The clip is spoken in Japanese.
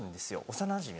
幼なじみ